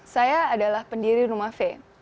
saya adalah pendiri rumah fain